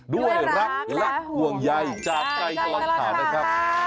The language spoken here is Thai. ด้วยรักและห่วงใยจากใจตลอดข่าวนะครับ